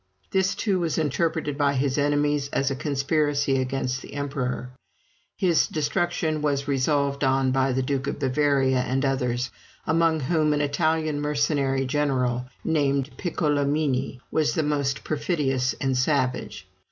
This, too, was interpreted by his enemies as a conspiracy against the emperor. His destruction was resolved on by the Duke of Bavaria and others, among whom an Italian mercenary general, named Piccolomini, was the most perfidious and savage.